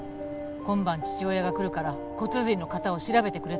今晩父親が来るから骨髄の型を調べてくれって。